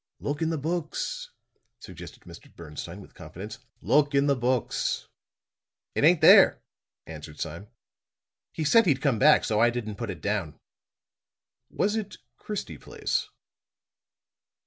"Look in the books," suggested Mr. Bernstine with confidence. "Look in the books." "It ain't there," answered Sime. "He said he'd come back, so I didn't put it down." "Was it Christie Place?"